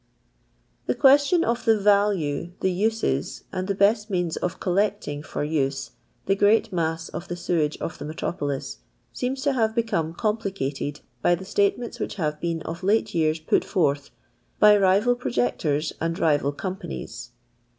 The question of the value, the uses, and the best means of collecting for use, the great mau of the sewage of the metropolis^ seems to have become complicated by the statements which have been of late years put forth by rival projectors and rival companies.